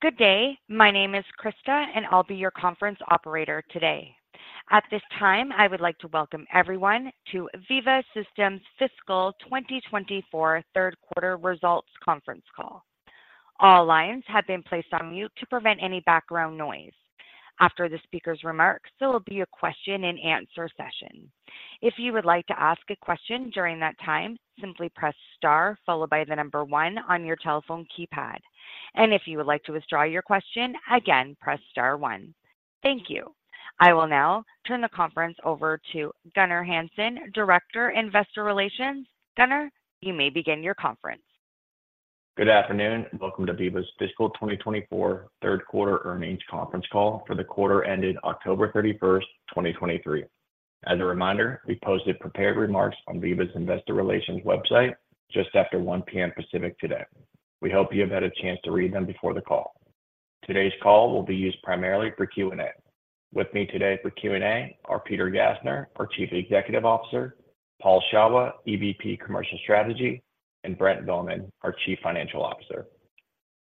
Good day. My name is Krista, and I'll be your conference operator today. At this time, I would like to welcome everyone to Veeva Systems' Fiscal 2024 Third Quarter Results Conference Call. All lines have been placed on mute to prevent any background noise. After the speaker's remarks, there will be a question-and-answer session. If you would like to ask a question during that time, simply press star followed by the number one on your telephone keypad. If you would like to withdraw your question, again, press star one. Thank you. I will now turn the conference over to Gunnar Hansen, Director, Investor Relations. Gunnar, you may begin your conference. Good afternoon, and welcome to Veeva's Fiscal 2024 Third Quarter Earnings Conference Call for the quarter ended October 31st, 2023. As a reminder, we posted prepared remarks on Veeva's Investor Relations website just after 1:00 P.M. Pacific today. We hope you have had a chance to read them before the call. Today's call will be used primarily for Q&A. With me today for Q&A are Peter Gassner, our Chief Executive Officer, Paul Shawah, EVP, Commercial Strategy, and Brent Bowman, our Chief Financial Officer.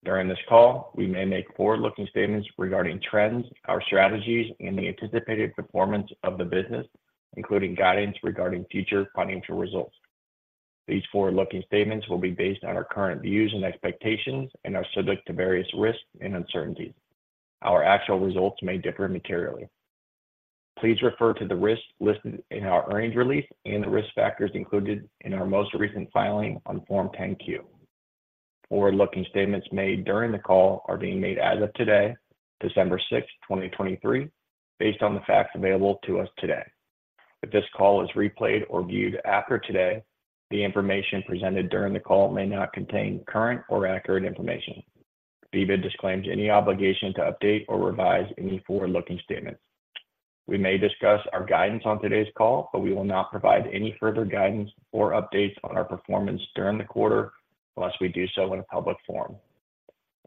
During this call, we may make forward-looking statements regarding trends, our strategies, and the anticipated performance of the business, including guidance regarding future financial results. These forward-looking statements will be based on our current views and expectations and are subject to various risks and uncertainties. Our actual results may differ materially. Please refer to the risks listed in our earnings release and the risk factors included in our most recent filing on Form 10-Q. Forward-looking statements made during the call are being made as of today, December 6, 2023, based on the facts available to us today. If this call is replayed or viewed after today, the information presented during the call may not contain current or accurate information. Veeva disclaims any obligation to update or revise any forward-looking statements. We may discuss our guidance on today's call, but we will not provide any further guidance or updates on our performance during the quarter, unless we do so in a public forum.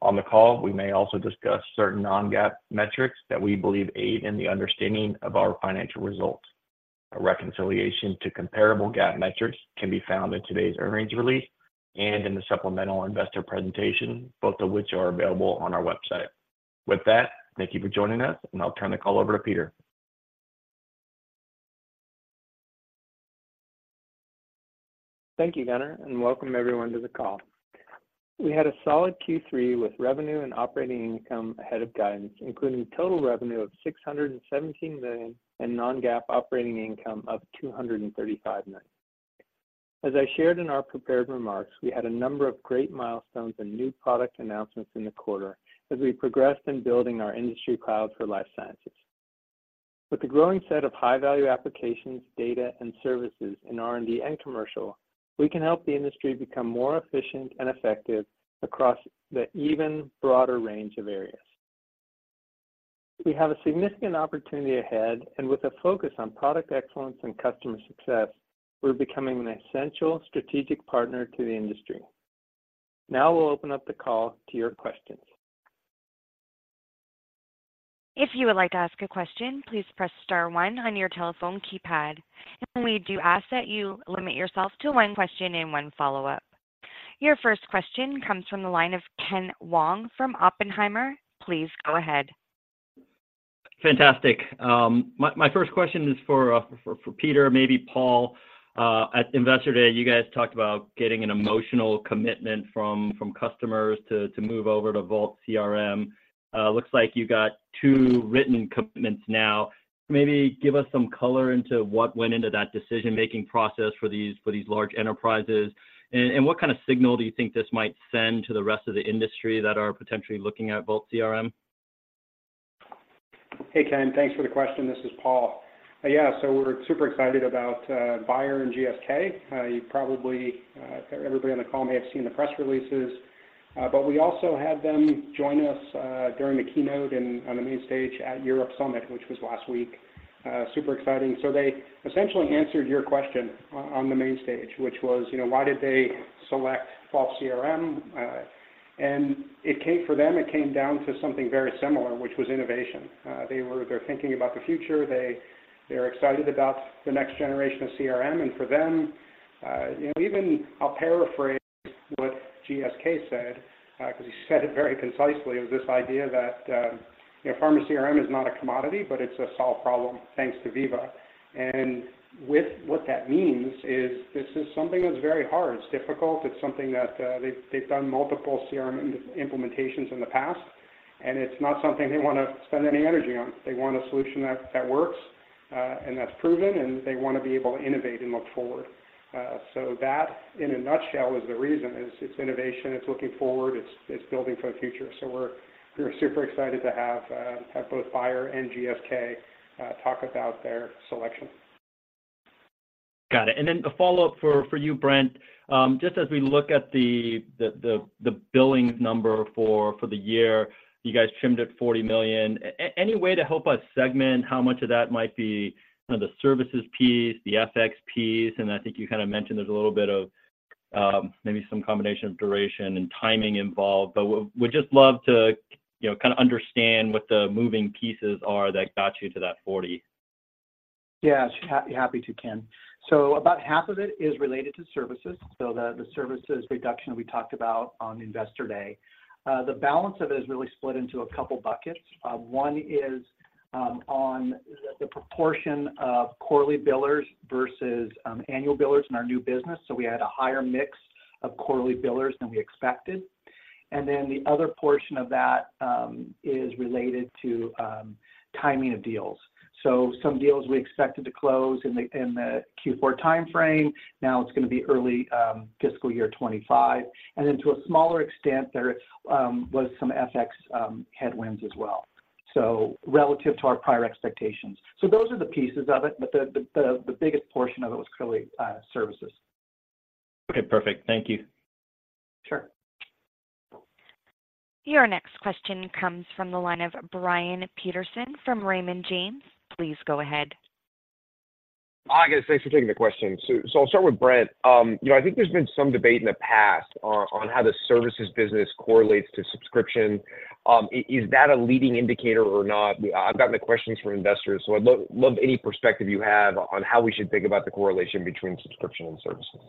On the call, we may also discuss certain non-GAAP metrics that we believe aid in the understanding of our financial results. A reconciliation to comparable GAAP metrics can be found in today's earnings release and in the supplemental investor presentation, both of which are available on our website. With that, thank you for joining us, and I'll turn the call over to Peter. Thank you, Gunnar, and welcome everyone to the call. We had a solid Q3 with revenue and operating income ahead of guidance, including total revenue of $617 million and non-GAAP operating income of $235 million. As I shared in our prepared remarks, we had a number of great milestones and new product announcements in the quarter as we progressed in building our industry cloud for life sciences. With a growing set of high-value applications, data, and services in R&D and commercial, we can help the industry become more efficient and effective across the even broader range of areas. We have a significant opportunity ahead, and with a focus on product excellence and customer success, we're becoming an essential strategic partner to the industry. Now we'll open up the call to your questions. If you would like to ask a question, please press star one on your telephone keypad. We do ask that you limit yourself to one question and one follow-up. Your first question comes from the line of Ken Wong from Oppenheimer. Please go ahead. Fantastic. My first question is for Peter, maybe Paul. At Investor Day, you guys talked about getting an emotional commitment from customers to move over to Vault CRM. Looks like you got two written commitments now. Maybe give us some color into what went into that decision-making process for these large enterprises, and what kind of signal do you think this might send to the rest of the industry that are potentially looking at Vault CRM? Hey, Ken. Thanks for the question. This is Paul. Yeah, so we're super excited about Bayer and GSK. You probably everybody on the call may have seen the press releases, but we also had them join us during the keynote and on the main stage at Europe Summit, which was last week. Super exciting. So they essentially answered your question on the main stage, which was, you know, why did they select Vault CRM? And for them, it came down to something very similar, which was innovation. They're thinking about the future. They, they're excited about the next generation of CRM and for them, you know, even I'll paraphrase what GSK said, 'cause he said it very concisely, it was this idea that, you know, Pharma CRM is not a commodity, but it's a solved problem, thanks to Veeva. And what that means is this is something that's very hard. It's difficult. It's something that, they've done multiple CRM implementations in the past, and it's not something they wanna spend any energy on. They want a solution that works, and that's proven, and they want to be able to innovate and look forward. So that, in a nutshell, is the reason, is it's innovation, it's looking forward, it's building for the future. So we're super excited to have both Bayer and GSK talk about their selection. Got it. And then a follow-up for you, Brent. Just as we look at the billings number for the year, you guys trimmed it $40 million. Any way to help us segment how much of that might be kind of the services piece, the FX piece? And I think you kind of mentioned there's a little bit of maybe some combination of duration and timing involved, but would just love to, you know, kind of understand what the moving pieces are that got you to that $40 million.... Yeah, happy to, Ken. So about half of it is related to services, so the services reduction we talked about on Investor Day. The balance of it is really split into a couple buckets. One is on the proportion of quarterly billers versus annual billers in our new business. So we had a higher mix of quarterly billers than we expected. And then the other portion of that is related to timing of deals. So some deals we expected to close in the Q4 timeframe, now it's gonna be early fiscal year 2025. And then to a smaller extent, there was some FX headwinds as well, so relative to our prior expectations. So those are the pieces of it, but the biggest portion of it was clearly services. Okay, perfect. Thank you. Sure. Your next question comes from the line of Brian Peterson from Raymond James. Please go ahead. Hi, guys. Thanks for taking the question. So, I'll start with Brent. You know, I think there's been some debate in the past on how the services business correlates to subscription. Is that a leading indicator or not? I've gotten the questions from investors, so I'd love any perspective you have on how we should think about the correlation between subscription and services.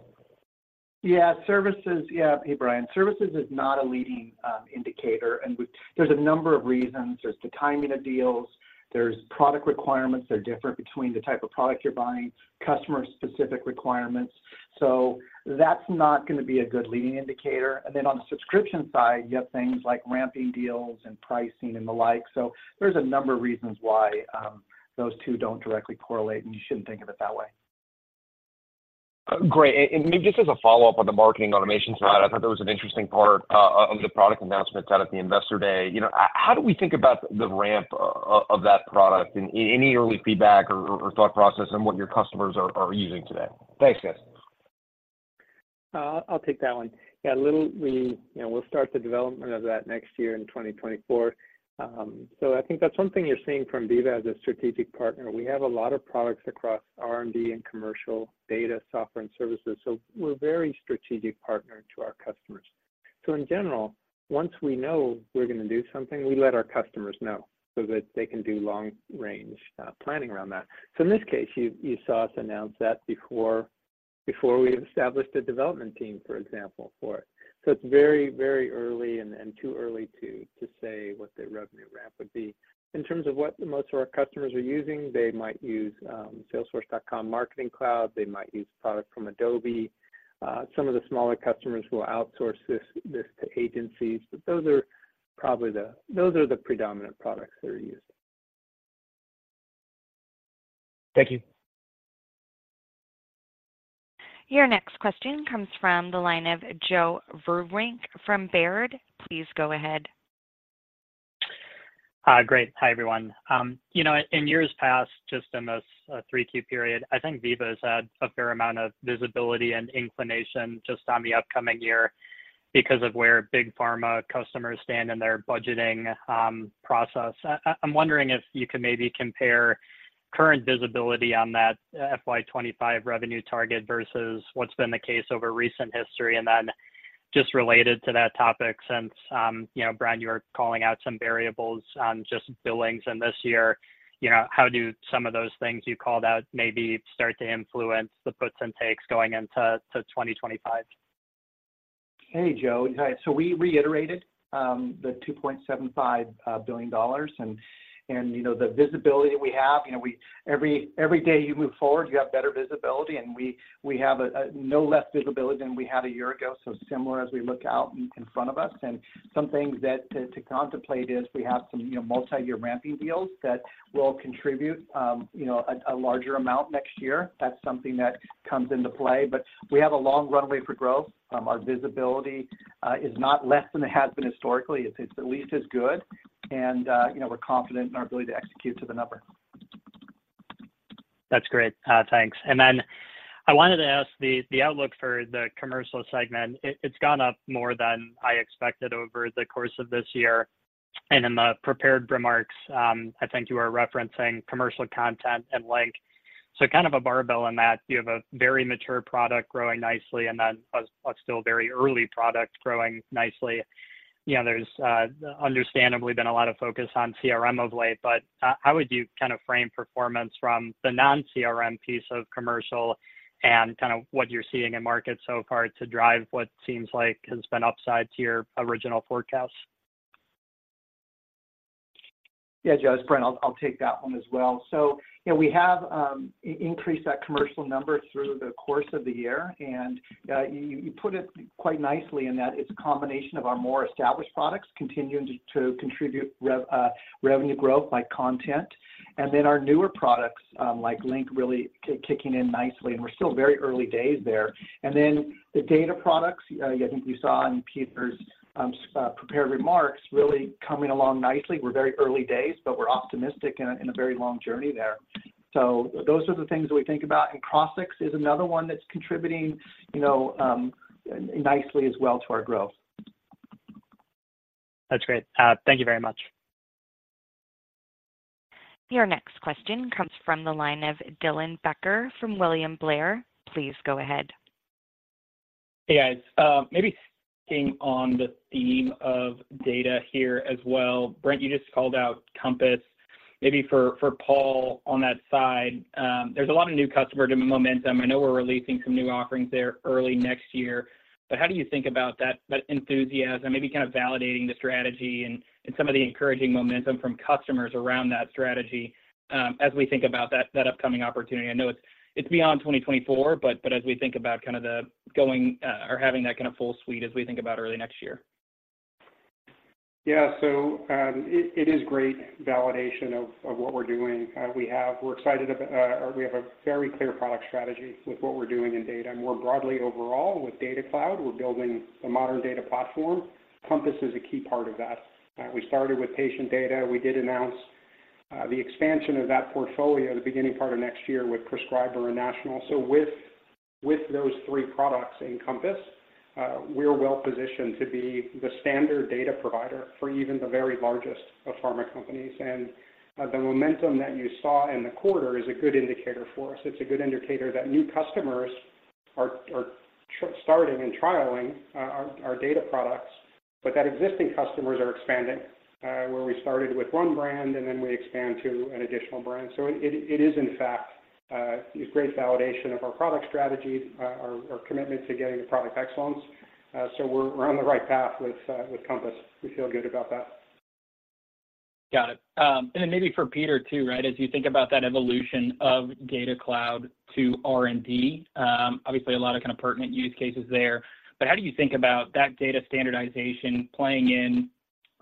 Yeah, services. Yeah. Hey, Brian. Services is not a leading indicator, and there's a number of reasons. There's the timing of deals, there's product requirements that are different between the type of product you're buying, customer-specific requirements. So that's not gonna be a good leading indicator. And then on the subscription side, you have things like ramping deals and pricing and the like. So there's a number of reasons why those two don't directly correlate, and you shouldn't think of it that way. Great. And maybe just as a follow-up on the marketing automation side, I thought that was an interesting part of the product announcements out at the Investor Day. You know, how do we think about the ramp of that product? And any early feedback or thought process on what your customers are using today? Thanks, guys. I'll take that one. Yeah, a little. We, you know, we'll start the development of that next year in 2024. So I think that's something you're seeing from Veeva as a strategic partner. We have a lot of products across R&D and commercial, data, software, and services, so we're very strategic partner to our customers. So in general, once we know we're gonna do something, we let our customers know so that they can do long-range planning around that. So in this case, you saw us announce that before we established a development team, for example, for it. So it's very, very early and too early to say what the revenue ramp would be. In terms of what most of our customers are using, they might use Salesforce.com Marketing Cloud, they might use product from Adobe. Some of the smaller customers will outsource this to agencies, but those are probably the predominant products that are used. Thank you. Your next question comes from the line of Joe Vruwink from Baird. Please go ahead. Great. Hi, everyone. You know, in years past, just in this three-Q period, I think Veeva's had a fair amount of visibility and inclination just on the upcoming year because of where big pharma customers stand in their budgeting process. I'm wondering if you could maybe compare current visibility on that FY 2025 revenue target versus what's been the case over recent history. And then just related to that topic, since you know, Brian, you were calling out some variables on just billings in this year, you know, how do some of those things you called out maybe start to influence the puts and takes going into to 2025? Hey, Joe. Hi. So we reiterated the $2.75 billion. And, you know, the visibility we have, you know, we every day you move forward, you have better visibility, and we have no less visibility than we had a year ago, so similar as we look out in front of us. And some things to contemplate is we have some, you know, multiyear ramping deals that will contribute, you know, a larger amount next year. That's something that comes into play. But we have a long runway for growth. Our visibility is not less than it has been historically. It's at least as good, and, you know, we're confident in our ability to execute to the number. That's great. Thanks. Then I wanted to ask the outlook for the commercial segment. It's gone up more than I expected over the course of this year. And in the prepared remarks, I think you are referencing Commercial Content and Link. So kind of a barbell in that you have a very mature product growing nicely and then a still very early product growing nicely. You know, there's understandably been a lot of focus on CRM of late, but how would you kind of frame performance from the non-CRM piece of commercial and kind of what you're seeing in market so far to drive what seems like has been upside to your original forecast? Yeah, Joe, it's Brent. I'll, I'll take that one as well. So, you know, we have increased that commercial number through the course of the year, and you put it quite nicely in that it's a combination of our more established products continuing to contribute revenue growth, like content, and then our newer products, like Link, really kicking in nicely, and we're still very early days there. And then the data products, I think you saw in Peter's prepared remarks, really coming along nicely. We're very early days, but we're optimistic in a very long journey there. So those are the things we think about, and Crossix is another one that's contributing, you know, nicely as well to our growth. That's great. Thank you very much. Your next question comes from the line of Dylan Becker from William Blair. Please go ahead.... Hey, guys. Maybe staying on the theme of data here as well. Brent, you just called out Compass. Maybe for Paul, on that side, there's a lot of new customer demand momentum. I know we're releasing some new offerings there early next year, but how do you think about that enthusiasm, maybe kind of validating the strategy and some of the encouraging momentum from customers around that strategy, as we think about that upcoming opportunity? I know it's beyond 2024, but as we think about kind of the going or having that kind of full suite as we think about early next year. Yeah. So, it is great validation of what we're doing. We have a very clear product strategy with what we're doing in data. And more broadly, overall, with Data Cloud, we're building a modern data platform. Compass is a key part of that. We started with patient data. We did announce the expansion of that portfolio the beginning part of next year with Prescriber and National. So with those three products in Compass, we're well-positioned to be the standard data provider for even the very largest of pharma companies. And the momentum that you saw in the quarter is a good indicator for us. It's a good indicator that new customers are starting and trialing our data products, but that existing customers are expanding where we started with one brand, and then we expand to an additional brand. So it is in fact a great validation of our product strategy, our commitment to getting the product excellence. So we're on the right path with Compass. We feel good about that. Got it. And then maybe for Peter too, right? As you think about that evolution of Data Cloud to R&D, obviously a lot of kind of pertinent use cases there, but how do you think about that data standardization playing in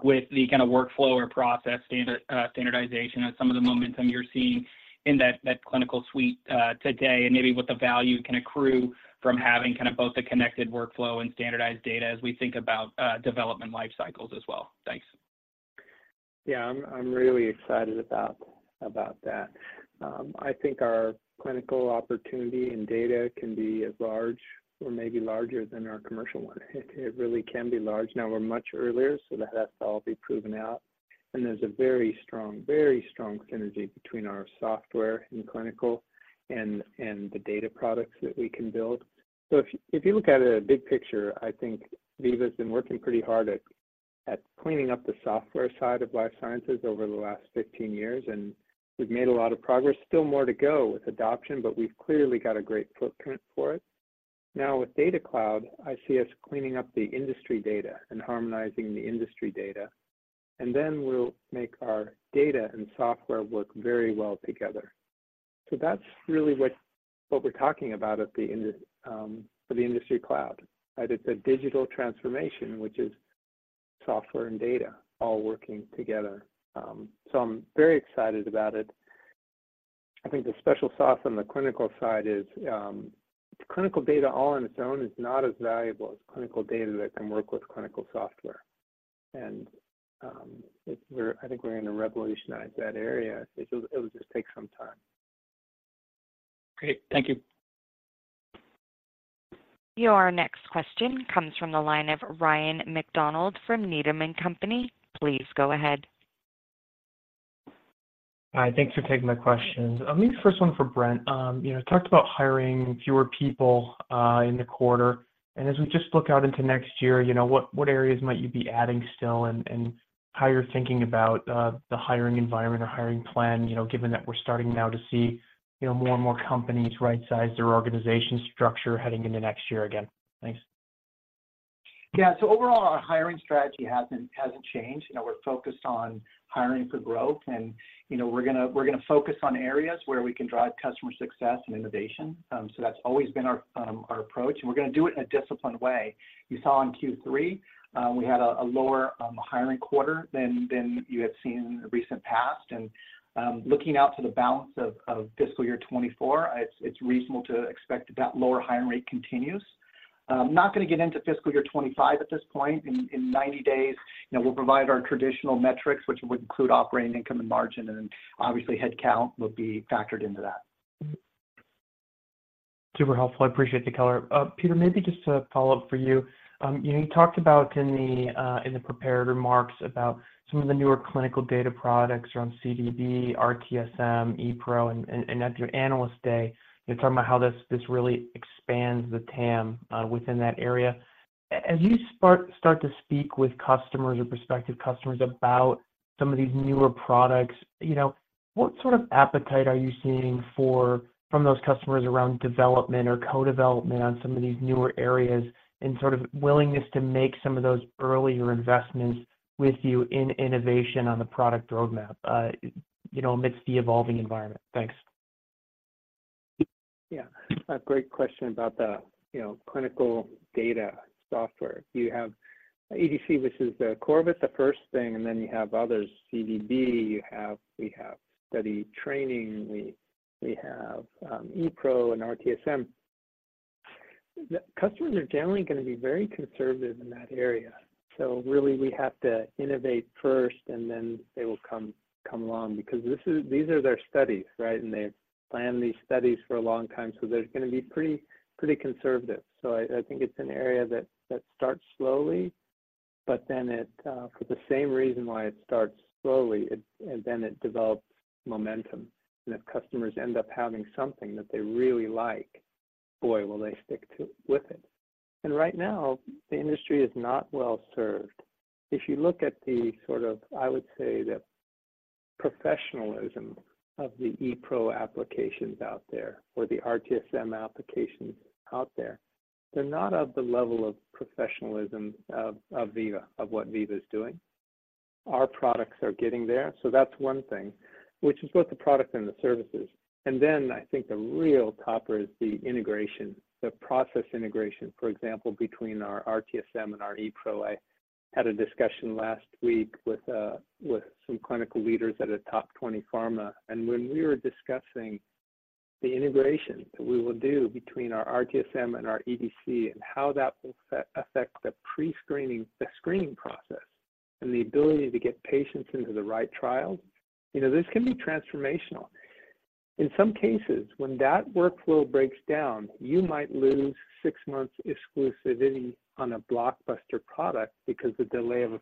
with the kind of workflow or process standard, standardization and some of the momentum you're seeing in that clinical suite, today, and maybe what the value can accrue from having kind of both a connected workflow and standardized data as we think about, development life cycles as well? Thanks. Yeah, I'm really excited about that. I think our clinical opportunity and data can be as large or maybe larger than our commercial one. It really can be large. Now, we're much earlier, so that has to all be proven out, and there's a very strong synergy between our software and clinical and the data products that we can build. So if you look at it a big picture, I think Veeva's been working pretty hard at cleaning up the software side of life sciences over the last 15 years, and we've made a lot of progress. Still more to go with adoption, but we've clearly got a great footprint for it. Now, with Data Cloud, I see us cleaning up the industry data and harmonizing the industry data, and then we'll make our data and software work very well together. So that's really what, what we're talking about at the industry for the Industry Cloud, right? It's a digital transformation, which is software and data all working together. So I'm very excited about it. I think the special sauce on the clinical side is, clinical data, all on its own, is not as valuable as clinical data that can work with clinical software. And, I think we're going to revolutionize that area. It'll, it'll just take some time. Great. Thank you. Your next question comes from the line of Ryan MacDonald from Needham and Company. Please go ahead. Hi, thanks for taking my questions. Maybe the first one for Brent. You know, talked about hiring fewer people in the quarter, and as we just look out into next year, you know, what areas might you be adding still, and how you're thinking about the hiring environment or hiring plan? You know, given that we're starting now to see, you know, more and more companies rightsize their organization structure heading into next year again. Thanks. Yeah. So overall, our hiring strategy hasn't changed. You know, we're focused on hiring for growth, and, you know, we're gonna focus on areas where we can drive customer success and innovation. So that's always been our approach, and we're gonna do it in a disciplined way. You saw in Q3, we had a lower hiring quarter than you had seen in the recent past. Looking out to the balance of fiscal year 2024, it's reasonable to expect that that lower hiring rate continues. I'm not gonna get into fiscal year 2025 at this point. In 90 days, you know, we'll provide our traditional metrics, which would include operating income and margin, and then obviously, headcount will be factored into that. Mm-hmm. Super helpful. I appreciate the color. Peter, maybe just a follow-up for you. You know, you talked about in the prepared remarks about some of the newer clinical data products around CDB, RTSM, ePRO, and at your Analyst Day, you know, talking about how this really expands the TAM within that area. As you start to speak with customers or prospective customers about some of these newer products, you know, what sort of appetite are you seeing from those customers around development or co-development on some of these newer areas and sort of willingness to make some of those earlier investments with you in innovation on the product roadmap, you know, amidst the evolving environment? Thanks. Yeah. A great question about the, you know, clinical data software. You have EDC, which is the core of it, the first thing, and then you have others, CDB. You have—we have Study Training, we have ePRO and RTSM. The customers are generally going to be very conservative in that area. So really, we have to innovate first, and then they will come along because this is—these are their studies, right? And they've planned these studies for a long time, so they're going to be pretty conservative. So I think it's an area that starts slowly, but then it, for the same reason why it starts slowly, and then it develops momentum. And if customers end up having something that they really like, boy, will they stick with it. And right now, the industry is not well-served. If you look at the sort of, I would say, the professionalism of the ePRO applications out there or the RTSM applications out there, they're not of the level of professionalism of Veeva, of what Veeva is doing. Our products are getting there, so that's one thing, which is both the product and the services. And then I think the real topper is the integration, the process integration, for example, between our RTSM and our ePRO. I had a discussion last week with some clinical leaders at a top 20 pharma, and when we were discussing the integration that we will do between our RTSM and our EDC and how that will affect the pre-screening, the screening process and the ability to get patients into the right trial, you know, this can be transformational. In some cases, when that workflow breaks down, you might lose six months exclusivity on a blockbuster product because the delay of a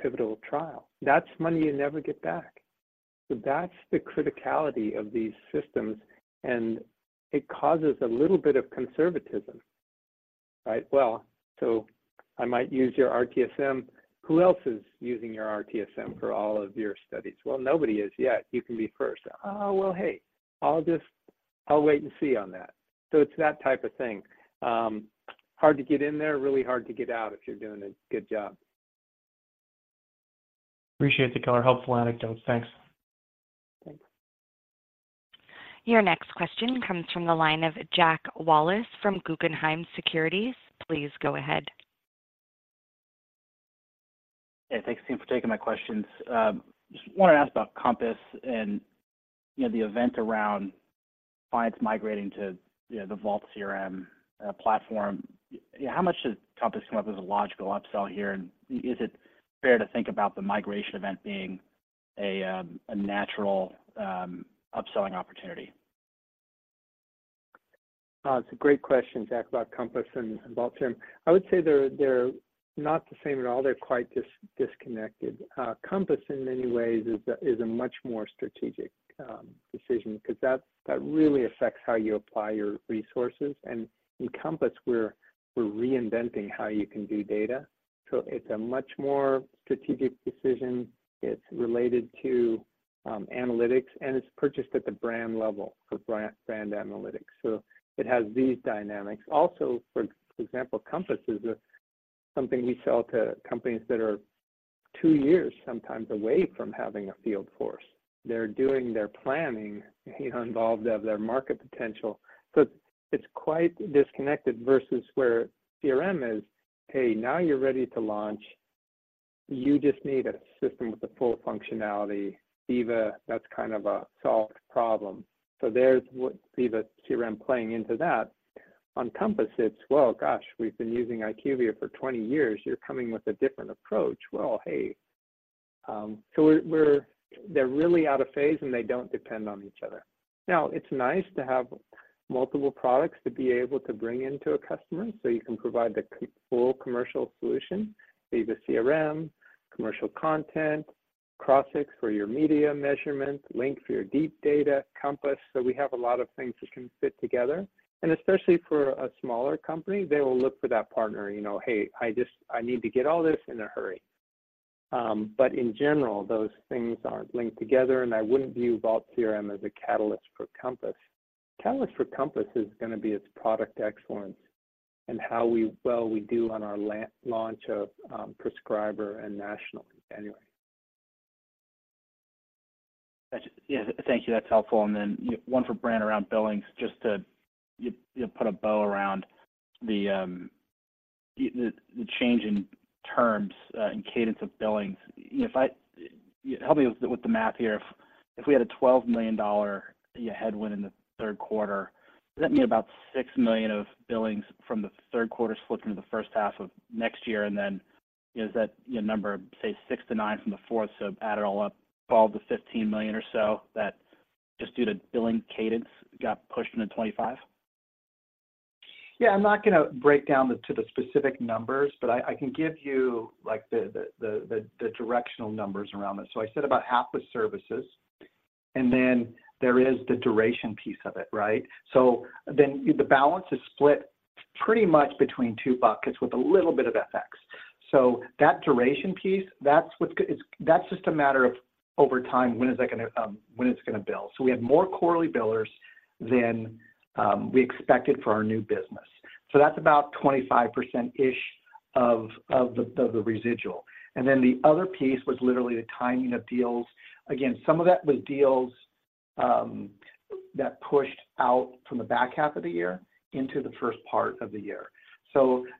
pivotal trial. That's money you never get back. So that's the criticality of these systems, and it causes a little bit of conservatism, right? "Well, so I might use your RTSM. Who else is using your RTSM for all of your studies?" "Well, nobody is yet. You can be first." "Oh, well, hey, I'll just... I'll wait and see on that." So it's that type of thing. Hard to get in there, really hard to get out if you're doing a good job. Appreciate the color. Helpful anecdotes. Thanks. Thanks. Your next question comes from the line of Jack Wallace from Guggenheim Securities. Please go ahead. Yeah, thanks again for taking my questions. Just wanted to ask about Compass and, you know, the event around clients migrating to, you know, the Vault CRM platform. How much does Compass come up as a logical upsell here, and is it fair to think about the migration event being a natural upselling opportunity? It's a great question, Jack, about Compass and Vault CRM. I would say they're not the same at all. They're quite disconnected. Compass, in many ways is a much more strategic decision because that really affects how you apply your resources, and in Compass, we're reinventing how you can do data. So it's a much more strategic decision. It's related to analytics, and it's purchased at the brand level for brand analytics. So it has these dynamics. Also, for example, Compass is something we sell to companies that are two years sometimes away from having a field force. They're doing their planning, you know, involved in their market potential. So it's quite disconnected versus where CRM is, "Hey, now you're ready to launch. You just need a system with the full functionality." Veeva, that's kind of a solved problem. So there's what Veeva CRM playing into that. On Compass, it's, "Well, gosh, we've been using IQVIA for 20 years. You're coming with a different approach." "Well, hey," so they're really out of phase, and they don't depend on each other. Now, it's nice to have multiple products to be able to bring in to a customer, so you can provide the full commercial solution, Veeva CRM, commercial content, Crossix for your media measurement, Link for your deep data, Compass. So we have a lot of things that can fit together, and especially for a smaller company, they will look for that partner. You know, "Hey, I just - I need to get all this in a hurry." But in general, those things aren't linked together, and I wouldn't view Vault CRM as a catalyst for Compass. Catalyst for Compass is gonna be its product excellence and how we... well, we do on our launch of prescriber and nationally anyway. Gotcha. Yeah, thank you. That's helpful. And then one for Brent around billings, just to, you put a bow around the change in terms and cadence of billings. Help me with the math here. If we had a $12 million headwind in the third quarter, does that mean about $6 million of billings from the third quarter split into the first half of next year? And then, is that your number, say, $6 million-$9 million from the fourth, so add it all up, $12 million-$15 million or so, that just due to billing cadence got pushed into 2025? Yeah, I'm not gonna break down to the specific numbers, but I can give you, like, the directional numbers around this. So I said about half the services, and then there is the duration piece of it, right? So then the balance is split pretty much between two buckets with a little bit of FX. So that duration piece, that's what's that's just a matter of over time, when is that gonna, when it's gonna bill. So we have more quarterly billers than we expected for our new business. So that's about 25%-ish of the residual. And then the other piece was literally the timing of deals. Again, some of that was deals that pushed out from the back half of the year into the first part of the year.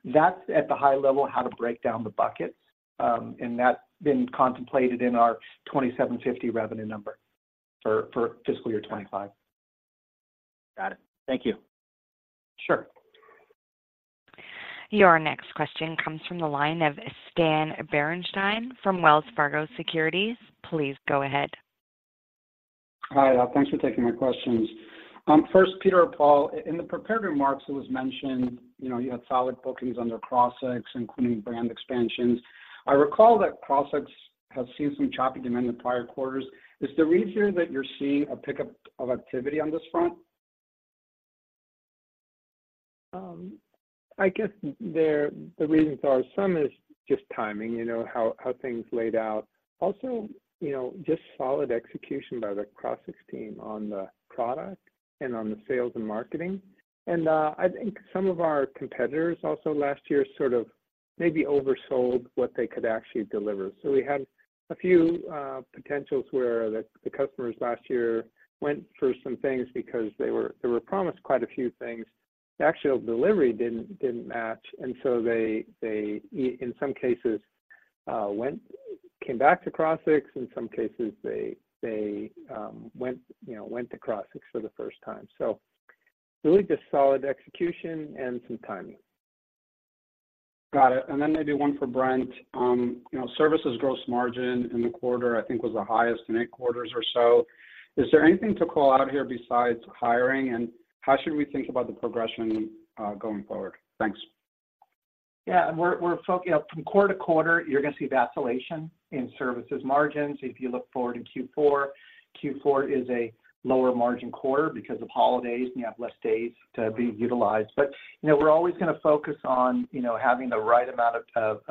That's at the high level, how to break down the buckets, and that's been contemplated in our $2.75 billion revenue number for fiscal year 2025. Got it. Thank you. Sure. Your next question comes from the line of Stan Berenshteyn from Wells Fargo Securities. Please go ahead.... Hi, thanks for taking my questions. First, Peter or Paul, in the prepared remarks, it was mentioned, you know, you had solid bookings under Crossix, including brand expansions. I recall that Crossix has seen some choppy demand in prior quarters. Is the reason that you're seeing a pickup of activity on this front? I guess there, the reasons are, some is just timing, you know, how things laid out. Also, you know, just solid execution by the Crossix team on the product and on the sales and marketing. And, I think some of our competitors also last year sort of maybe oversold what they could actually deliver. So we had a few, potentials where the customers last year went for some things because they were promised quite a few things. The actual delivery didn't match, and so they, in some cases, came back to Crossix. In some cases, they went, you know, went to Crossix for the first time. So really, just solid execution and some timing. Got it. And then maybe one for Brent. You know, services gross margin in the quarter, I think, was the highest in eight quarters or so. Is there anything to call out here besides hiring, and how should we think about the progression going forward? Thanks. Yeah, and from quarter to quarter, you're going to see vacillation in services margins. If you look forward in Q4, Q4 is a lower margin quarter because of holidays, and you have less days to be utilized. But, you know, we're always going to focus on, you know, having the right amount of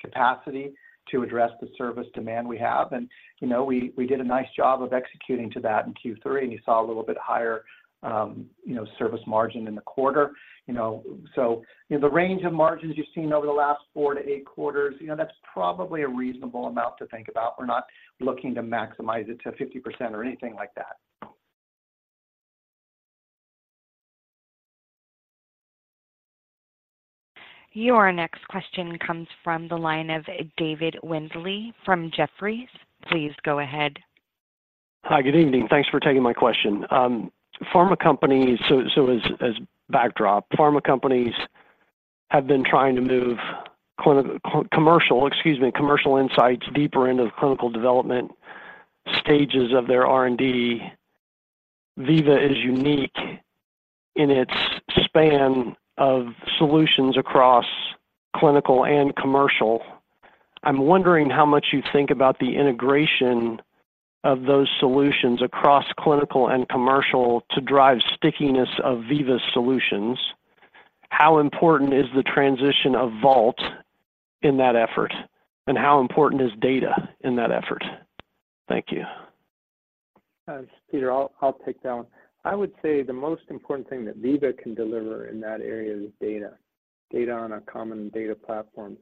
capacity to address the service demand we have. And, you know, we did a nice job of executing to that in Q3, and you saw a little bit higher, you know, service margin in the quarter. You know, so, you know, the range of margins you've seen over the last 4-8 quarters, you know, that's probably a reasonable amount to think about. We're not looking to maximize it to 50% or anything like that. Your next question comes from the line of David Windley from Jefferies. Please go ahead. Hi, good evening. Thanks for taking my question. Pharma companies, as backdrop, pharma companies have been trying to move commercial insights deeper into the clinical development stages of their R&D. Veeva is unique in its span of solutions across clinical and commercial. I'm wondering how much you think about the integration of those solutions across clinical and commercial to drive stickiness of Veeva's solutions. How important is the transition of Vault in that effort, and how important is data in that effort? Thank you. Peter, I'll take that one. I would say the most important thing that Veeva can deliver in that area is data, data on a common data platform.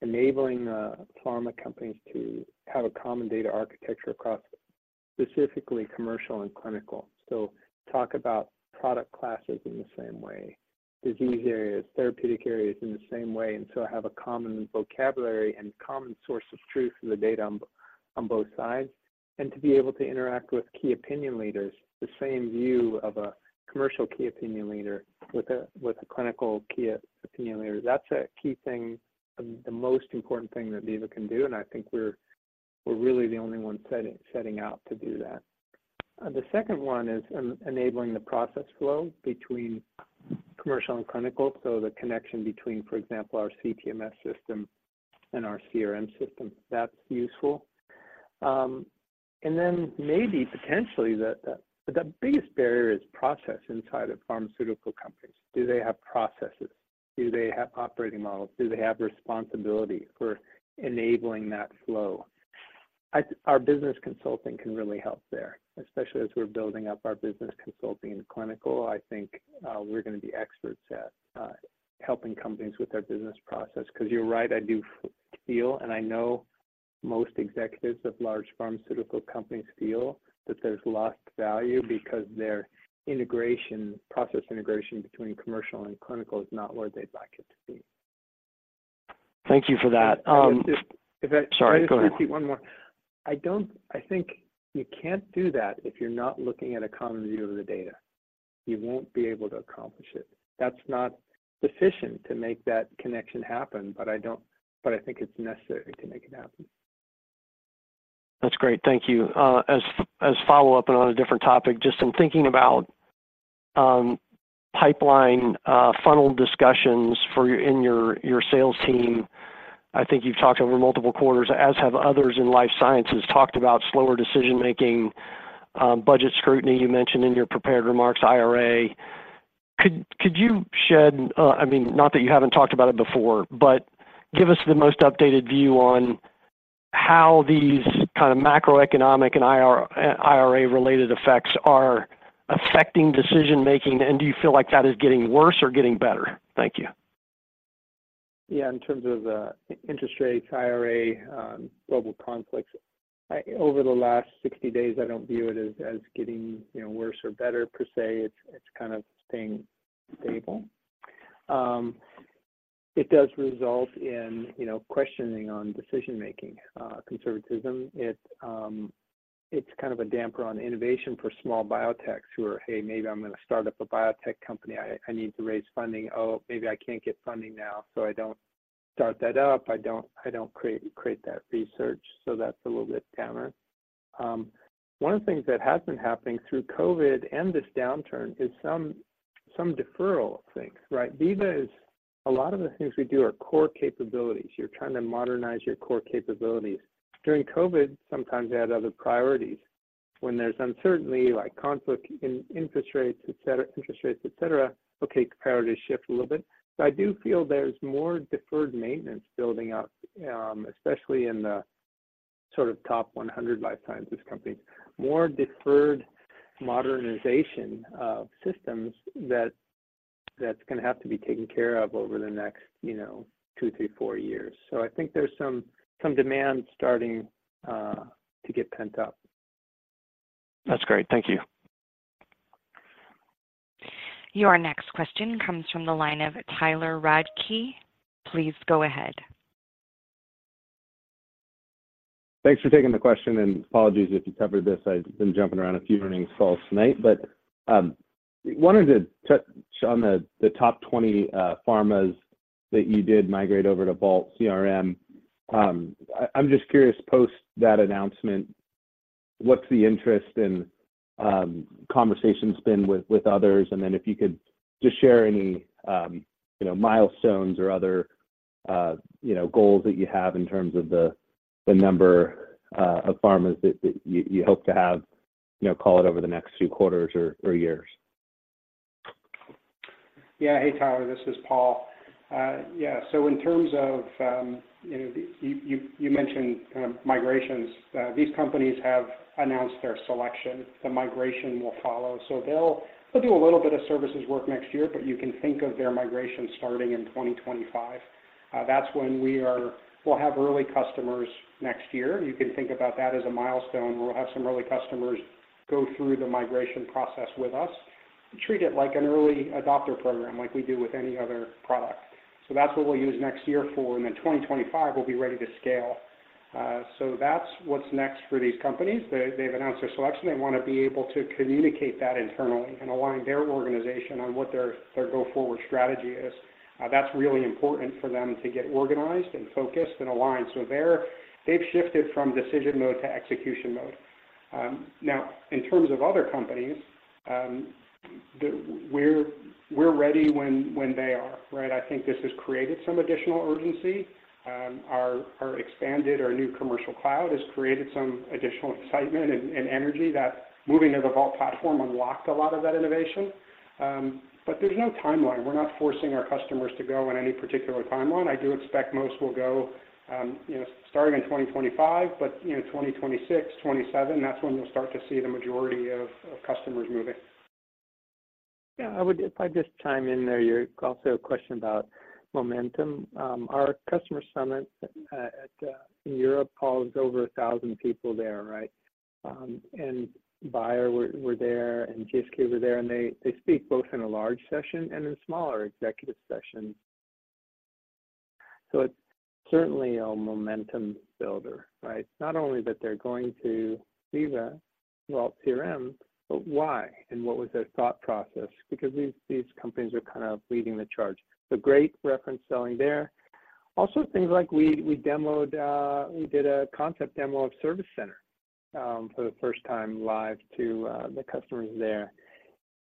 So enabling pharma companies to have a common data architecture across specifically commercial and clinical. So talk about product classes in the same way, disease areas, therapeutic areas in the same way, and so have a common vocabulary and common source of truth for the data on both sides. And to be able to interact with key opinion leaders, the same view of a commercial key opinion leader with a clinical key opinion leader. That's a key thing, the most important thing that Veeva can do, and I think we're really the only one setting out to do that. The second one is enabling the process flow between commercial and clinical, so the connection between, for example, our CTMS system and our CRM system, that's useful. And then maybe potentially, the biggest barrier is process inside of pharmaceutical companies. Do they have processes? Do they have operating models? Do they have responsibility for enabling that flow? Our business consulting can really help there, especially as we're building up our business consulting in clinical. I think, we're going to be experts at helping companies with their business process, because you're right, I do feel, and I know most executives of large pharmaceutical companies feel that there's lost value because their integration, process integration between commercial and clinical is not where they'd like it to be. Thank you for that, If I- Sorry, go ahead. One more. I don't—I think you can't do that if you're not looking at a common view of the data. You won't be able to accomplish it. That's not sufficient to make that connection happen, but I don't... but I think it's necessary to make it happen. That's great. Thank you. As a follow-up and on a different topic, just in thinking about pipeline funnel discussions for your sales team, I think you've talked over multiple quarters, as have others in life sciences talked about slower decision-making, budget scrutiny, you mentioned in your prepared remarks, IRA. Could you shed, I mean, not that you haven't talked about it before, but give us the most updated view on how these kind of macroeconomic and IRA-related effects are affecting decision making, and do you feel like that is getting worse or getting better? Thank you. Yeah, in terms of interest rates, IRA, global conflicts, over the last 60 days, I don't view it as getting, you know, worse or better per se. It's kind of staying stable. It does result in, you know, questioning on decision-making, conservatism. It's kind of a damper on innovation for small biotechs who are, "Hey, maybe I'm going to start up a biotech company. I need to raise funding. Oh, maybe I can't get funding now, so I don't start that up. I don't create that research, so that's a little bit downer. One of the things that has been happening through COVID, and this downturn, is some deferral of things, right? Veeva is a lot of the things we do are core capabilities. You're trying to modernize your core capabilities. During COVID, sometimes they had other priorities. When there's uncertainty, like conflict in interest rates, et cetera, interest rates, et cetera, okay, priorities shift a little bit. So I do feel there's more deferred maintenance building up, especially in the sort of top 100 life sciences companies. More deferred modernization of systems that, that's gonna have to be taken care of over the next, you know, 2, 3, 4 years. So I think there's some, some demand starting to get pent up. That's great. Thank you. Your next question comes from the line of Tyler Radke. Please go ahead. Thanks for taking the question, and apologies if you covered this. I've been jumping around a few earnings calls tonight. But wanted to touch on the top 20 pharmas that you did migrate over to Vault CRM. I'm just curious, post that announcement, what's the interest and conversation's been with others? And then if you could just share any, you know, milestones or other, you know, goals that you have in terms of the number of pharmas that you hope to have, you know, call it over the next few quarters or years. Yeah. Hey, Tyler, this is Paul. Yeah, so in terms of, you know, you mentioned migrations. These companies have announced their selection. The migration will follow. So they'll do a little bit of services work next year, but you can think of their migration starting in 2025. That's when we'll have early customers next year. You can think about that as a milestone. We'll have some early customers go through the migration process with us, treat it like an early adopter program like we do with any other product. So that's what we'll use next year for, and then 2025, we'll be ready to scale. So that's what's next for these companies. They've announced their selection. They want to be able to communicate that internally and align their organization on what their go-forward strategy is. That's really important for them to get organized and focused and aligned. So they're—they've shifted from decision mode to execution mode. Now, in terms of other companies, we're ready when they are, right? I think this has created some additional urgency. Our expanded, our new Commercial Cloud has created some additional excitement and energy that moving to the Vault platform unlocked a lot of that innovation. But there's no timeline. We're not forcing our customers to go on any particular timeline. I do expect most will go, you know, starting in 2025, but, you know, 2026, 2027, that's when you'll start to see the majority of customers moving. Yeah, I would if I just chime in there, you also have a question about momentum. Our customer summit in Europe, Paul, is over 1,000 people there, right? And Bayer were there, and GSK were there, and they speak both in a large session and in smaller executive sessions. So it's certainly a momentum builder, right? Not only that they're going to Veeva Vault CRM, but why, and what was their thought process? Because these companies are kind of leading the charge. So great reference selling there. Also, things like we demoed we did a concept demo of Service Center for the first time live to the customers there,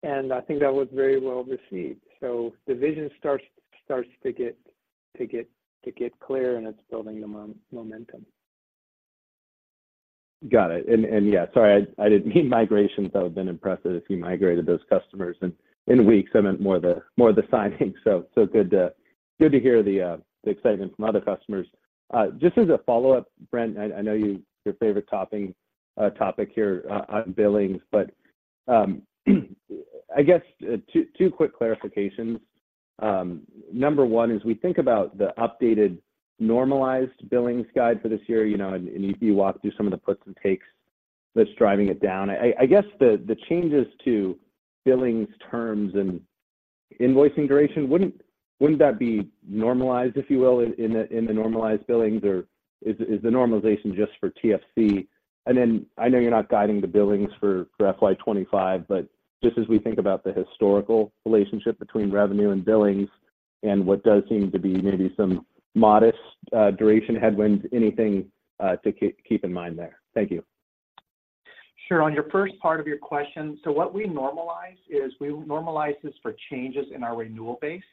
and I think that was very well received. So the vision starts to get clear, and it's building the momentum. Got it. Yeah, sorry, I didn't mean migrations. That would have been impressive if you migrated those customers in weeks. I meant more the signing. So good to hear the excitement from other customers. Just as a follow-up, Brent, I know your favorite topic here on billings, but I guess two quick clarifications. Number one is we think about the updated normalized billings guide for this year, you know, and you walked through some of the puts and takes that's driving it down. I guess the changes to billings terms and invoicing duration, wouldn't that be normalized, if you will, in the normalized billings, or is the normalization just for TFC? And then I know you're not guiding the billings for FY 2025, but just as we think about the historical relationship between revenue and billings and what does seem to be maybe some modest duration headwinds, anything to keep in mind there? Thank you. Sure. On your first part of your question, so what we normalize is we normalize this for changes in our renewal base.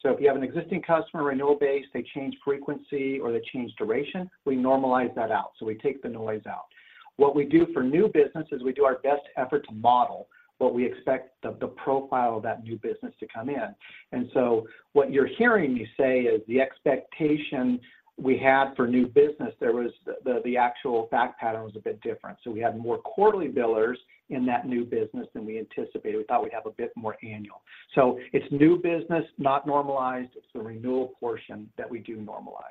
So if you have an existing customer renewal base, they change frequency or they change duration, we normalize that out, so we take the noise out. What we do for new business is we do our best effort to model what we expect the profile of that new business to come in. And so what you're hearing me say is, the expectation we had for new business, there was the actual fact pattern was a bit different. So we had more quarterly billers in that new business than we anticipated. We thought we'd have a bit more annual. So it's new business, not normalized. It's the renewal portion that we do normalize.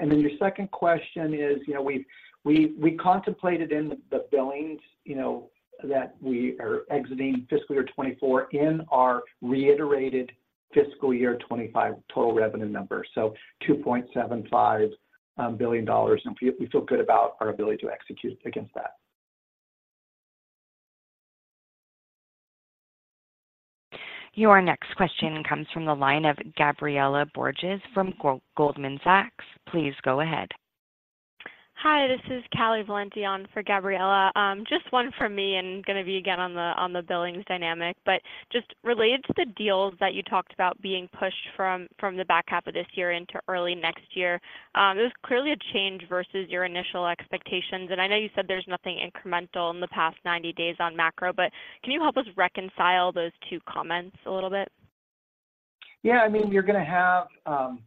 And then your second question is, you know, we've contemplated in the billings, you know, that we are exiting fiscal year 2024 in our reiterated fiscal year 2025 total revenue number. So $2.75 billion, and we feel good about our ability to execute against that.... Your next question comes from the line of Gabriela Borges from Goldman Sachs. Please go ahead. Hi, this is Carolyn Valenti for Gabriela. Just one from me, and gonna be again on the billings dynamic. But just related to the deals that you talked about being pushed from the back half of this year into early next year, there's clearly a change versus your initial expectations, and I know you said there's nothing incremental in the past 90 days on macro, but can you help us reconcile those two comments a little bit? Yeah. I mean, you're gonna have—It's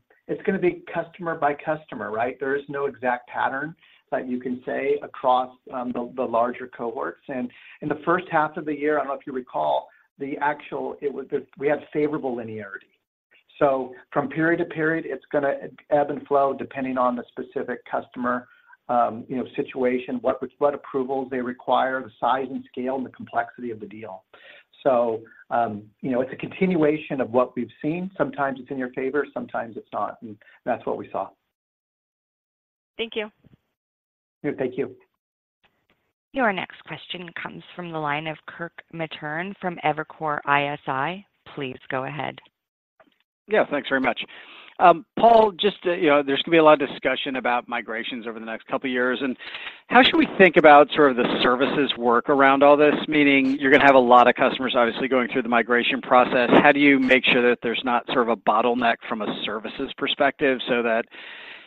gonna be customer by customer, right? There is no exact pattern that you can say across the larger cohorts. And in the first half of the year, I don't know if you recall, we had favorable linearity. So from period to period, it's gonna ebb and flow depending on the specific customer, you know, situation, what approvals they require, the size and scale, and the complexity of the deal. So, you know, it's a continuation of what we've seen. Sometimes it's in your favor, sometimes it's not, and that's what we saw. Thank you. Yeah, thank you. Your next question comes from the line of Kirk Materne from Evercore ISI. Please go ahead. Yeah, thanks very much. Paul, just, you know, there's gonna be a lot of discussion about migrations over the next couple of years, and how should we think about sort of the services work around all this? Meaning you're gonna have a lot of customers, obviously, going through the migration process. How do you make sure that there's not sort of a bottleneck from a services perspective so that,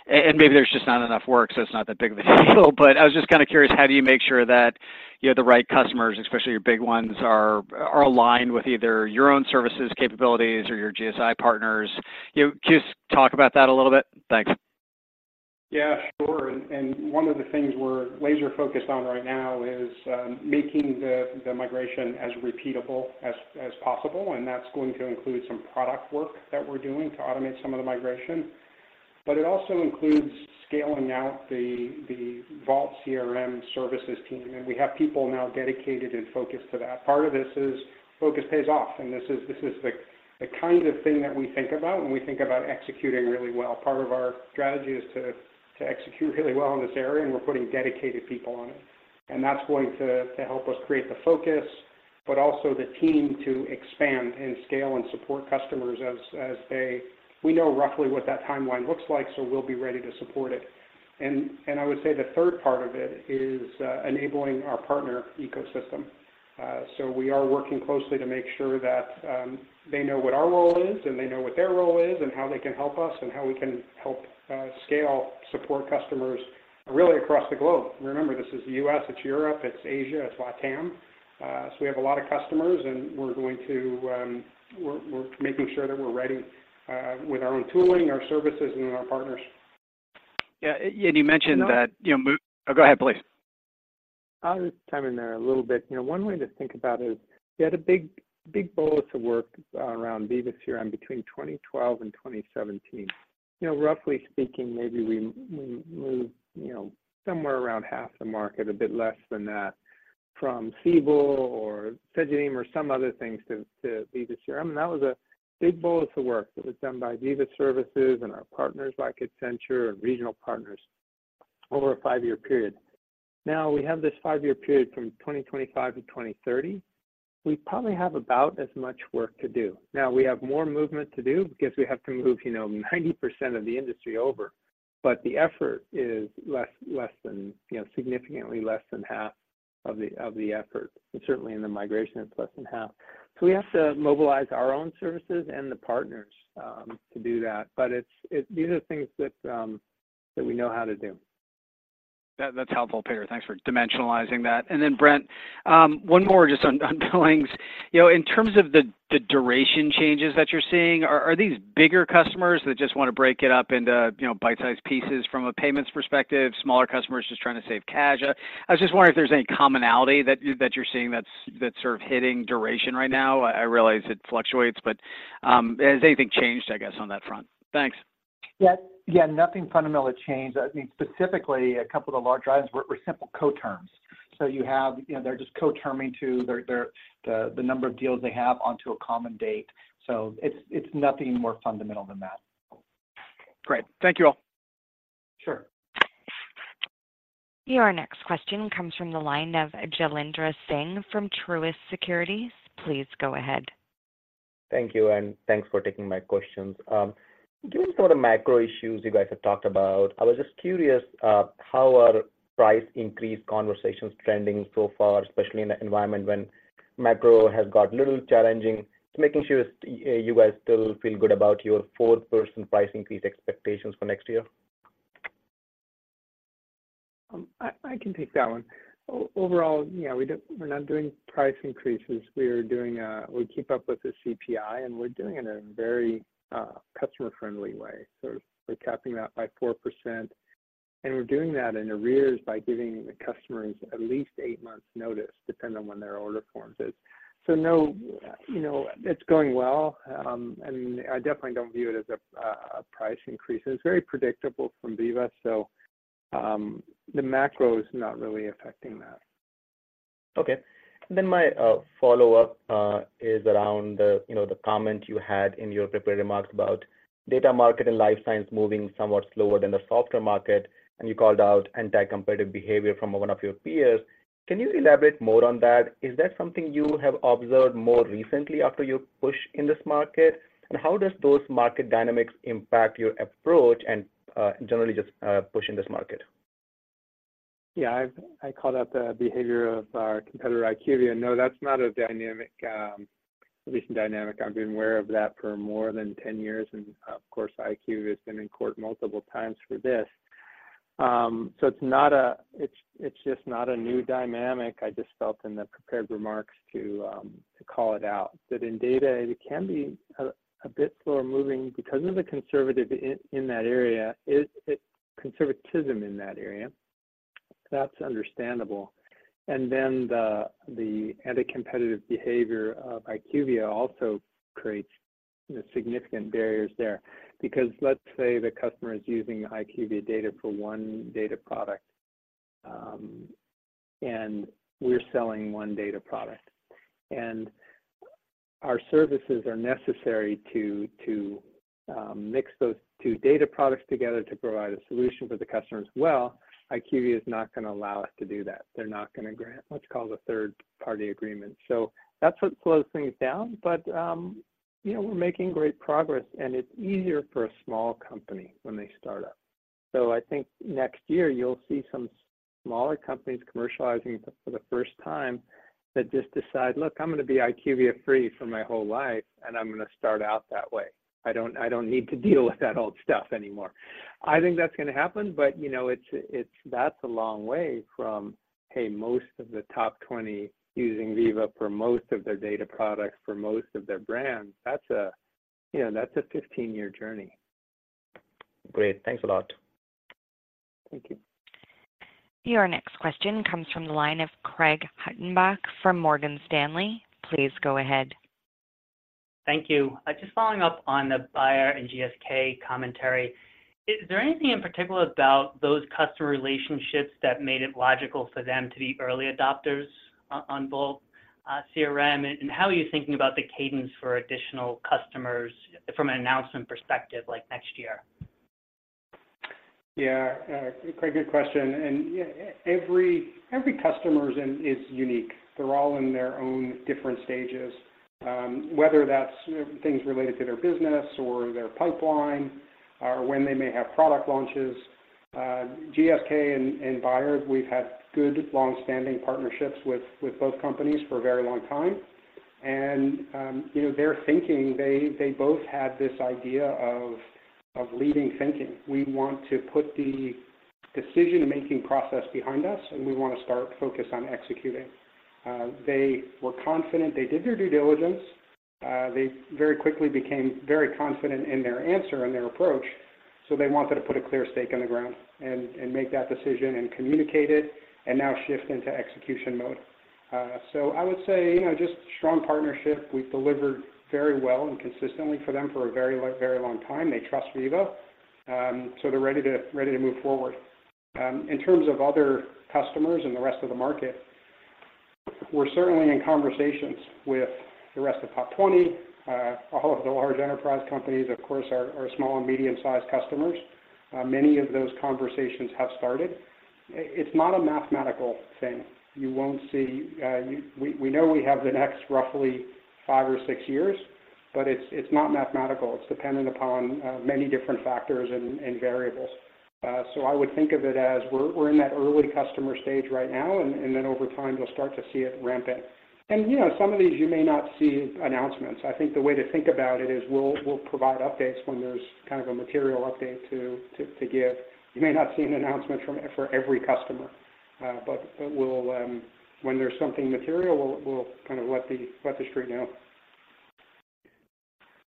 and maybe there's just not enough work, so it's not that big of a deal, but I was just kind of curious, how do you make sure that you have the right customers, especially your big ones, are aligned with either your own services capabilities or your GSI partners? You know, can you just talk about that a little bit? Thanks. Yeah, sure. And one of the things we're laser focused on right now is making the migration as repeatable as possible, and that's going to include some product work that we're doing to automate some of the migration. But it also includes scaling out the Vault CRM services team, and we have people now dedicated and focused to that. Part of this is focus pays off, and this is the kind of thing that we think about when we think about executing really well. Part of our strategy is to execute really well in this area, and we're putting dedicated people on it. And that's going to help us create the focus, but also the team to expand and scale and support customers as they... We know roughly what that timeline looks like, so we'll be ready to support it. And I would say the third part of it is enabling our partner ecosystem. So we are working closely to make sure that they know what our role is, and they know what their role is, and how they can help us, and how we can help scale, support customers really across the globe. Remember, this is the U.S., it's Europe, it's Asia, it's LATAM. So we have a lot of customers, and we're going to, we're making sure that we're ready with our own tooling, our services, and our partners. Yeah, and you mentioned that, you know. Oh, go ahead, please. I'll just chime in there a little bit. You know, one way to think about it is, we had a big, big bolus of work around Veeva CRM between 2012 and 2017. You know, roughly speaking, maybe we, we moved, you know, somewhere around half the market, a bit less than that, from Siebel or Cegedim or some other things to, to Veeva CRM. That was a big bolus of work that was done by Veeva Services and our partners, like Accenture and regional partners, over a 5-year period. Now, we have this 5-year period from 2025 to 2030. We probably have about as much work to do. Now, we have more movement to do because we have to move, you know, 90% of the industry over, but the effort is less, less than, you know, significantly less than half of the, of the effort, and certainly in the migration, it's less than half. So we have to mobilize our own services and the partners to do that, but it's these are things that we know how to do. That, that's helpful, Peter. Thanks for dimensionalizing that. And then, Brent, one more just on, on billings. You know, in terms of the duration changes that you're seeing, are these bigger customers that just want to break it up into, you know, bite-sized pieces from a payments perspective, smaller customers just trying to save cash? I was just wondering if there's any commonality that you're seeing that's sort of hitting duration right now. I realize it fluctuates, but has anything changed, I guess, on that front? Thanks. Yeah, yeah, nothing fundamentally changed. I mean, specifically, a couple of the large items were simple co-terms. So you have, you know, they're just co-terming to the number of deals they have onto a common date. So it's nothing more fundamental than that. Great. Thank you all. Sure. Your next question comes from the line of Jailendra Singh from Truist Securities. Please go ahead. Thank you, and thanks for taking my questions. Given some of the macro issues you guys have talked about, I was just curious, how are price increase conversations trending so far, especially in an environment when macro has got a little challenging? Just making sure, you guys still feel good about your 4% price increase expectations for next year. I can take that one. Overall, yeah, we're not doing price increases. We are doing, we keep up with the CPI, and we're doing it in a very customer-friendly way. So we're capping that by 4%, and we're doing that in arrears by giving the customers at least eight months notice, depending on when their order forms is. So no, you know, it's going well, and I definitely don't view it as a price increase. It's very predictable from Veeva, so the macro is not really affecting that. Okay. Then my follow-up is around the, you know, the comment you had in your prepared remarks about data market and life science moving somewhat slower than the software market, and you called out anti-competitive behavior from one of your peers.... Can you elaborate more on that? Is that something you have observed more recently after you push in this market? And how does those market dynamics impact your approach and, generally just, push in this market? Yeah, I've called out the behavior of our competitor, IQVIA. No, that's not a dynamic, recent dynamic. I've been aware of that for more than 10 years, and of course, IQVIA has been in court multiple times for this. So it's not a... It's just not a new dynamic. I just felt in the prepared remarks to call it out, that in data, it can be a bit slower moving because of the conservatism in that area. Conservatism in that area, that's understandable. And then the anti-competitive behavior of IQVIA also creates significant barriers there. Because let's say the customer is using IQVIA data for one data product, and we're selling one data product, and our services are necessary to mix those two data products together to provide a solution for the customer as well, IQVIA is not going to allow us to do that. They're not going to grant what's called a third-party agreement. So that's what slows things down. But, you know, we're making great progress, and it's easier for a small company when they start up. So I think next year you'll see some smaller companies commercializing for the first time that just decide, "Look, I'm going to be IQVIA free for my whole life, and I'm going to start out that way. I don't need to deal with that old stuff anymore." I think that's going to happen, but, you know, it's... That's a long way from, hey, most of the top 20 using Veeva for most of their data products, for most of their brands. That's a, you know, that's a 15-year journey. Great. Thanks a lot. Thank you. Your next question comes from the line of Craig Hettenbach from Morgan Stanley. Please go ahead. Thank you. Just following up on the Bayer and GSK commentary. Is there anything in particular about those customer relationships that made it logical for them to be early adopters on both CRM? How are you thinking about the cadence for additional customers from an announcement perspective, like next year? Yeah, Craig, good question. Yeah, every customer is unique. They're all in their own different stages, whether that's things related to their business or their pipeline or when they may have product launches. GSK and Bayer, we've had good, long-standing partnerships with both companies for a very long time. And, you know, their thinking, they both had this idea of leading thinking. We want to put the decision-making process behind us, and we want to start focus on executing. They were confident. They did their due diligence. They very quickly became very confident in their answer and their approach, so they wanted to put a clear stake in the ground and make that decision and communicate it and now shift into execution mode. So I would say, you know, just strong partnership. We've delivered very well and consistently for them for a very long, very long time. They trust Veeva, so they're ready to move forward. In terms of other customers and the rest of the market, we're certainly in conversations with the rest of top 20. All of the large enterprise companies, of course, are small and medium-sized customers. Many of those conversations have started. It's not a mathematical thing. You won't see... We know we have the next roughly 5 or 6 years, but it's not mathematical. It's dependent upon many different factors and variables. So I would think of it as we're in that early customer stage right now, and then over time, you'll start to see it ramp up. And, you know, some of these, you may not see announcements. I think the way to think about it is we'll provide updates when there's kind of a material update to give. You may not see an announcement for every customer, but we'll, when there's something material, we'll kind of let the street know.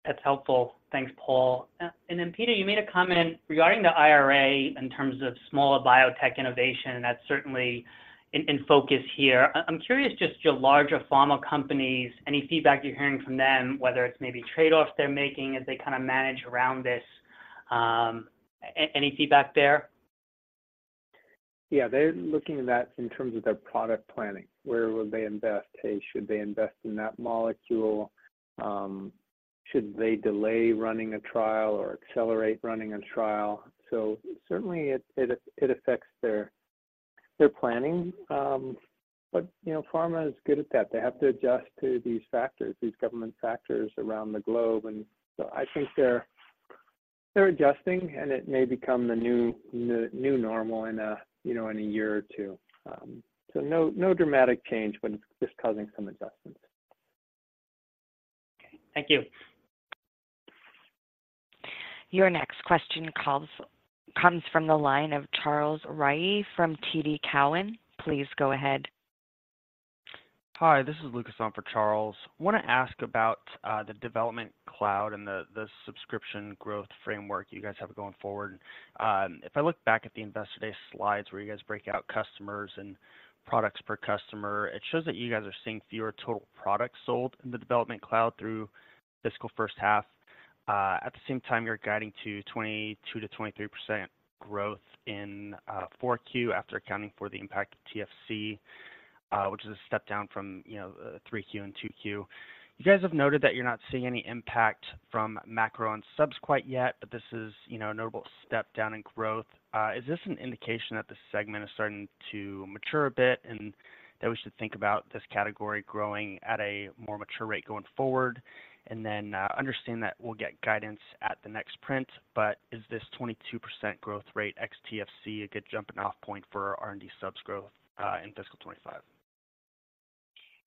That's helpful. Thanks, Paul. And then, Peter, you made a comment regarding the IRA in terms of smaller biotech innovation. That's certainly in focus here. I'm curious, just your larger pharma companies, any feedback you're hearing from them, whether it's maybe trade-offs they're making as they kind of manage around this, any feedback there? Yeah, they're looking at that in terms of their product planning. Where will they invest? Hey, should they invest in that molecule? Should they delay running a trial or accelerate running a trial? So certainly, it affects their planning. But, you know, pharma is good at that. They have to adjust to these factors, these government factors around the globe, and so I think they're adjusting, and it may become the new normal in a, you know, in a year or two. So no dramatic change, but it's just causing some adjustments. Thank you. Your next question comes from the line of Charles Rhyee from TD Cowen. Please go ahead. Hi, this is Lucas on for Charles. I want to ask about the Development Cloud and the subscription growth framework you guys have going forward. If I look back at the Investor Day slides, where you guys break out customers and products per customer, it shows that you guys are seeing fewer total products sold in the Development Cloud through fiscal first half. At the same time, you're guiding to 22%-23% growth in 4Q, after accounting for the impact of TFC, which is a step down from, you know, 3Q and 2Q. You guys have noted that you're not seeing any impact from macro on subs quite yet, but this is, you know, a notable step down in growth. Is this an indication that the segment is starting to mature a bit, and that we should think about this category growing at a more mature rate going forward? And then, understand that we'll get guidance at the next print, but is this 22% growth rate ex TFC, a good jumping off point for R&D subs growth, in fiscal 2025?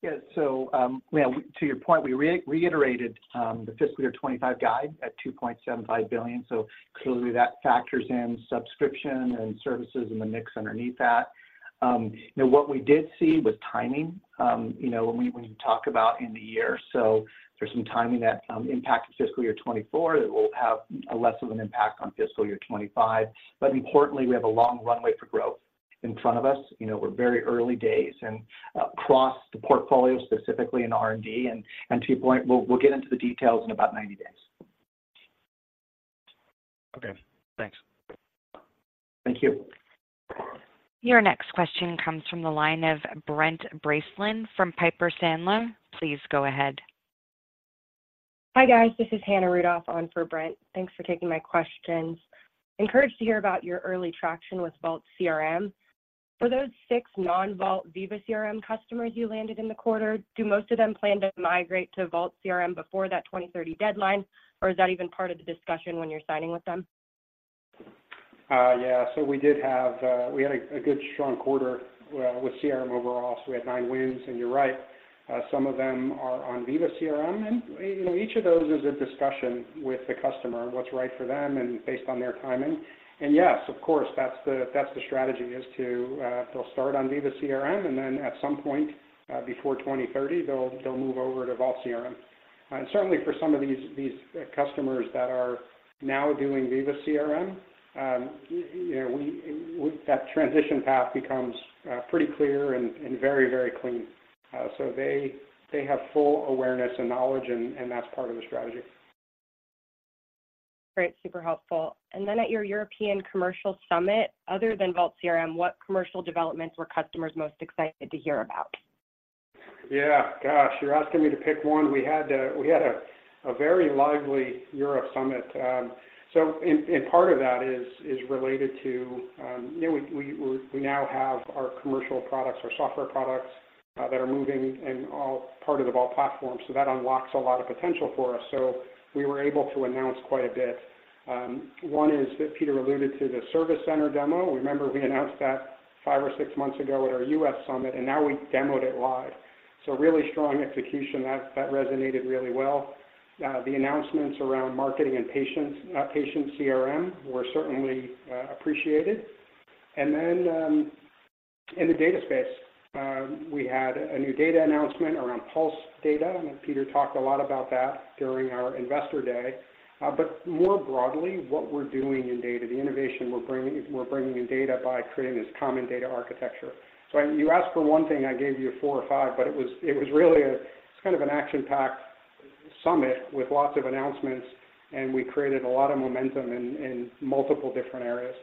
Yeah. So, you know, to your point, we reiterated the fiscal year 2025 guide at $2.75 billion. So clearly, that factors in subscription and services and the mix underneath that. You know, what we did see was timing. You know, when you talk about in the year, so there's some timing that impacted fiscal year 2024, that will have a less of an impact on fiscal year 2025. But importantly, we have a long runway for growth in front of us. You know, we're very early days, and across the portfolio, specifically in R&D. And to your point, we'll get into the details in about 90 days. Okay, thanks. Thank you. Your next question comes from the line of Brent Bracelin from Piper Sandler. Please go ahead. Hi, guys. This is Hannah Rudoff on for Brent. Thanks for taking my questions. Encouraged to hear about your early traction with Vault CRM. For those 6 non-Vault Veeva CRM customers you landed in the quarter, do most of them plan to migrate to Vault CRM before that 2030 deadline, or is that even part of the discussion when you're signing with them? Yeah, so we had a good strong quarter with CRM overall, so we had nine wins. And you're right, some of them are on Veeva CRM. And, you know, each of those is a discussion with the customer, what's right for them and based on their timing. And yes, of course, that's the strategy, is to they'll start on Veeva CRM, and then at some point, before 2030, they'll move over to Vault CRM. Certainly for some of these customers that are now doing Veeva CRM, you know, that transition path becomes pretty clear and very clean. So they have full awareness and knowledge, and that's part of the strategy. Great, super helpful. Then, at your European Commercial Summit, other than Vault CRM, what commercial developments were customers most excited to hear about? Yeah. Gosh, you're asking me to pick one. We had a very lively Europe Summit. So and part of that is related to, you know, we now have our commercial products, our software products that are moving and all part of the Vault platform. So that unlocks a lot of potential for us. So we were able to announce quite a bit. One is that Peter alluded to the Service Center demo. Remember, we announced that five or six months ago at our U.S. Summit, and now we demoed it live. So really strong execution. That resonated really well. The announcements around marketing and patients, patient CRM, were certainly appreciated. And then, in the data space, we had a new data announcement around Pulse data, and Peter talked a lot about that during our investor day. But more broadly, what we're doing in data, the innovation we're bringing—we're bringing in data by creating this common data architecture. So you asked for one thing, I gave you four or five, but it was really a... It's kind of an action-packed summit with lots of announcements, and we created a lot of momentum in multiple different areas.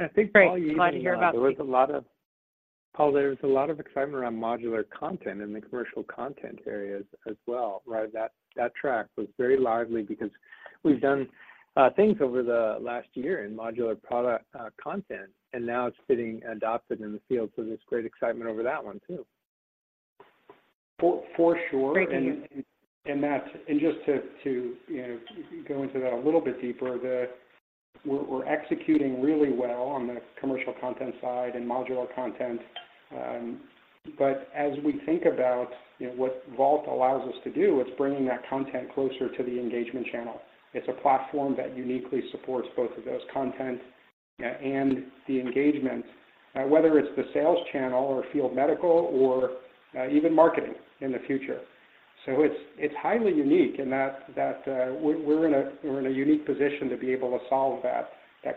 I think- Great. Glad to hear about- There was a lot of Paul, there was a lot of excitement around modular content in the commercial content areas as well, right? That, that track was very lively because we've done things over the last year in modular product content, and now it's getting adopted in the field. So there's great excitement over that one too. For sure- Thank you. And that's just to you know go into that a little bit deeper, we're executing really well on the commercial content side and modular content. But as we think about you know what Vault allows us to do, it's bringing that content closer to the engagement channel. It's a platform that uniquely supports both of those contents and the engagement whether it's the sales channel or field medical or even marketing in the future. So it's highly unique, and we're in a unique position to be able to solve that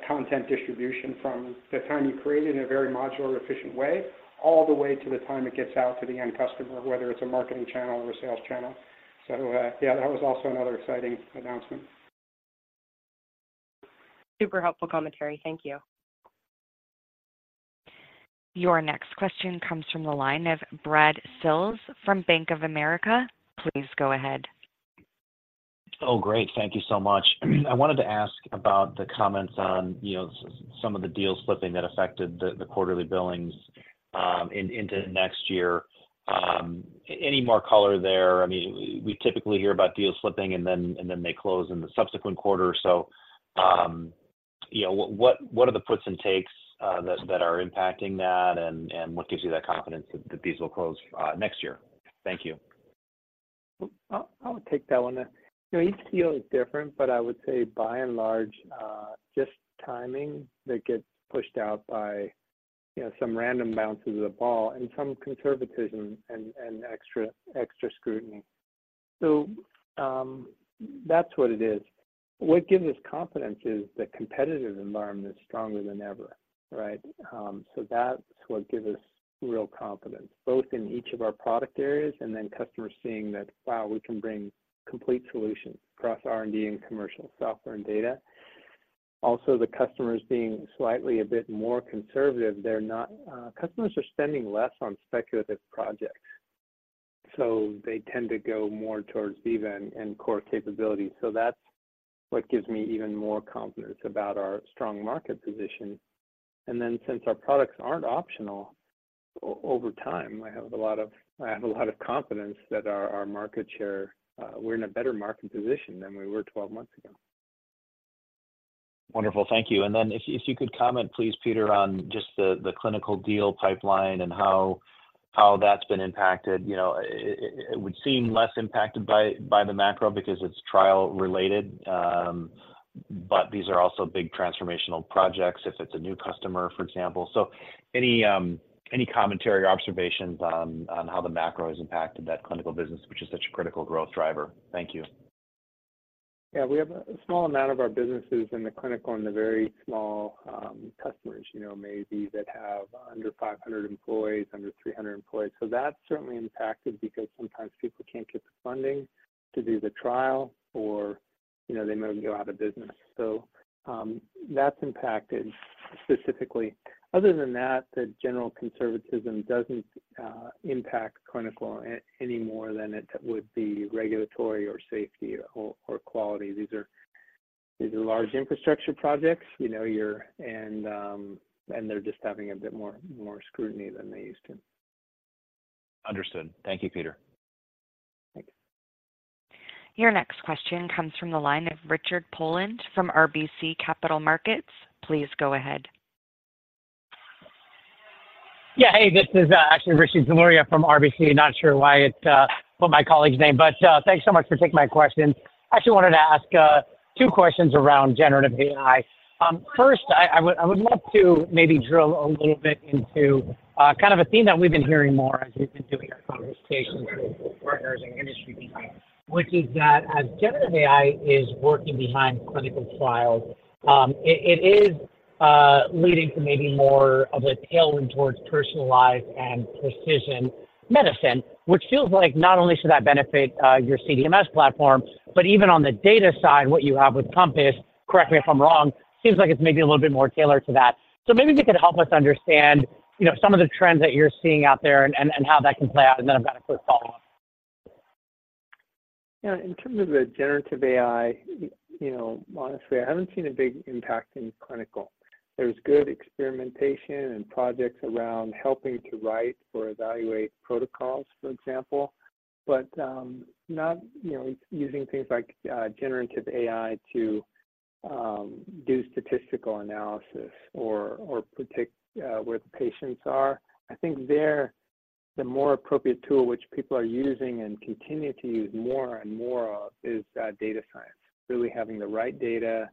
content distribution from the time you create it in a very modular, efficient way, all the way to the time it gets out to the end customer, whether it's a marketing channel or a sales channel. Yeah, that was also another exciting announcement. Super helpful commentary. Thank you. Your next question comes from the line of Brad Sills from Bank of America. Please go ahead. Oh, great. Thank you so much. I wanted to ask about the comments on, you know, some of the deals slipping that affected the quarterly billings into next year. Any more color there? I mean, we typically hear about deals slipping, and then they close in the subsequent quarter. So, you know, what are the puts and takes that are impacting that, and what gives you that confidence that these will close next year? Thank you. I'll take that one then. You know, each deal is different, but I would say by and large, just timing that gets pushed out by, you know, some random bounces of the ball and some conservatism and extra scrutiny. So, that's what it is.... What gives us confidence is the competitive environment is stronger than ever, right? So that's what gives us real confidence, both in each of our product areas and then customers seeing that, wow, we can bring complete solutions across R&D and commercial software and data. Also, the customers being slightly a bit more conservative, they're not, customers are spending less on speculative projects, so they tend to go more towards Veeva and core capabilities. So that's what gives me even more confidence about our strong market position. And then, since our products aren't optional, over time, I have a lot of, I have a lot of confidence that our, our market share, we're in a better market position than we were 12 months ago. Wonderful. Thank you. And then if you could comment, please, Peter, on just the clinical deal pipeline and how that's been impacted. You know, it would seem less impacted by the macro because it's trial-related, but these are also big transformational projects, if it's a new customer, for example. So any commentary or observations on how the macro has impacted that clinical business, which is such a critical growth driver? Thank you. Yeah, we have a small amount of our businesses in the clinical and the very small customers, you know, maybe that have under 500 employees, under 300 employees. So that's certainly impacted because sometimes people can't get the funding to do the trial or, you know, they may go out of business. So, that's impacted specifically. Other than that, the general conservatism doesn't impact clinical any more than it would be regulatory, or safety, or quality. These are large infrastructure projects, you know, and they're just having a bit more scrutiny than they used to. Understood. Thank you, Peter. Thank you. Your next question comes from the line of Richard Poland from RBC Capital Markets. Please go ahead. Yeah, hey, this is actually Rishi Jaluria from RBC. Not sure why it put my colleague's name, but thanks so much for taking my question. I actually wanted to ask two questions around generative AI. First, I would love to maybe drill a little bit into kind of a theme that we've been hearing more as we've been doing our conversations with partners and industry, which is that as generative AI is working behind clinical trials, it is leading to maybe more of a tailwind towards personalized and precision medicine. Which feels like not only should that benefit your CDMS platform, but even on the data side, what you have with Compass, correct me if I'm wrong, seems like it's maybe a little bit more tailored to that. So maybe if you could help us understand, you know, some of the trends that you're seeing out there and how that can play out, and then I've got a quick follow-up. Yeah. In terms of the generative AI, you know, honestly, I haven't seen a big impact in clinical. There's good experimentation and projects around helping to write or evaluate protocols, for example, but not, you know, using things like generative AI to do statistical analysis or predict where the patients are. I think there the more appropriate tool which people are using and continue to use more and more of is data science. Really having the right data,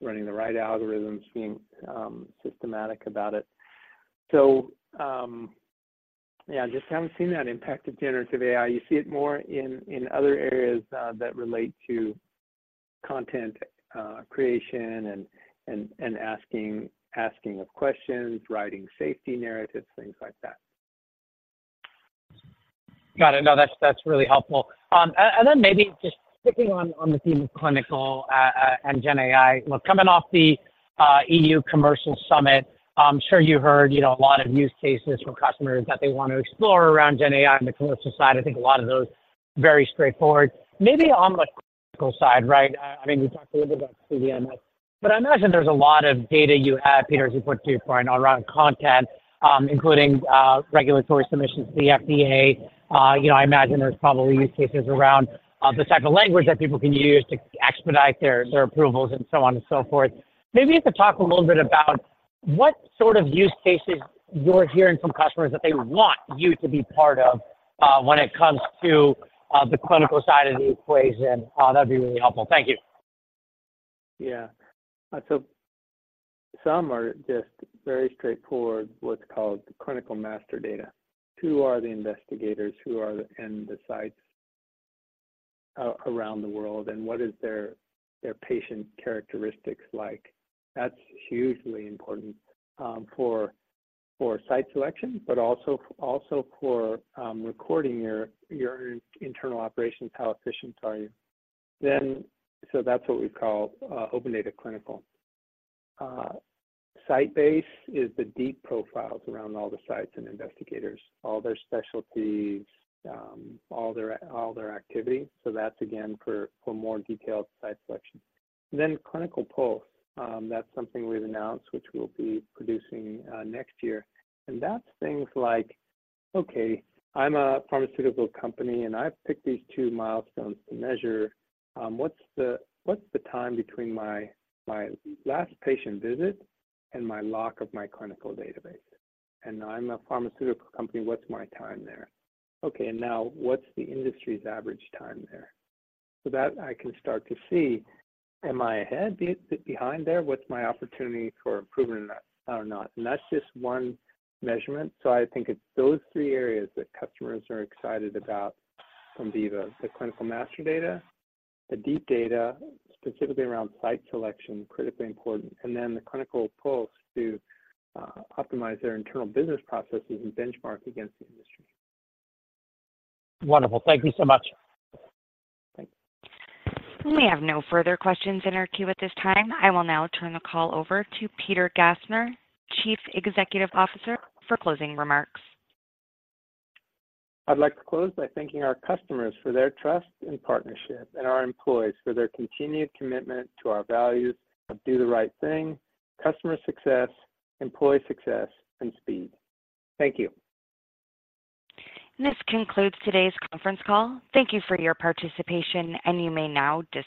running the right algorithms, being systematic about it. So, yeah, I just haven't seen that impact of generative AI. You see it more in other areas that relate to content creation and asking of questions, writing safety narratives, things like that. Got it. No, that's, that's really helpful. And then maybe just sticking on the theme of clinical and gen AI. Look, coming off the EU Commercial Summit, I'm sure you heard, you know, a lot of use cases from customers that they want to explore around gen AI on the clinical side. I think a lot of those very straightforward. Maybe on the clinical side, right, I mean, we talked a little bit about CDMS, but I imagine there's a lot of data you have, Peter, as you point to your point around content, including regulatory submissions to the FDA. You know, I imagine there's probably use cases around the type of language that people can use to expedite their approvals and so on and so forth. Maybe you could talk a little bit about what sort of use cases you're hearing from customers that they want you to be part of, when it comes to the clinical side of the equation. That'd be really helpful. Thank you. Yeah. So some are just very straightforward, what's called clinical master data. Who are the investigators? Who are in the sites around the world, and what is their patient characteristics like? That's hugely important for site selection, but also for recording your internal operations, how efficient are you? Then, so that's what we call OpenData Clinical. SiteBase is the deep profiles around all the sites and investigators, all their specialties, all their activity. So that's again for more detailed site selection. Then Clinical Pulse, that's something we've announced, which we'll be producing next year. And that's things like, okay, I'm a pharmaceutical company, and I've picked these two milestones to measure, what's the time between my last patient visit and my lock of my clinical database? I'm a pharmaceutical company, what's my time there? Okay, now, what's the industry's average time there? So that I can start to see, am I ahead, behind there? What's my opportunity for improvement or not? And that's just one measurement. So I think it's those three areas that customers are excited about from Veeva. The clinical master data, the deep data, specifically around site selection, critically important, and then the Clinical Pulse to optimize their internal business processes and benchmark against the industry. Wonderful. Thank you so much. Thank you. We have no further questions in our queue at this time. I will now turn the call over to Peter Gassner, Chief Executive Officer, for closing remarks. I'd like to close by thanking our customers for their trust and partnership, and our employees for their continued commitment to our values of do the right thing, customer success, employee success, and speed. Thank you. This concludes today's conference call. Thank you for your participation, and you may now disconnect.